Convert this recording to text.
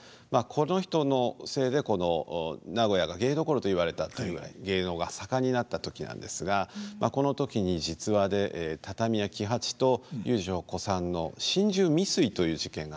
この人のせいでこの名古屋が芸どころと言われたというぐらい芸能が盛んになった時なんですがこの時に実話で畳屋喜八と遊女小さんの心中未遂という事件があったんですね。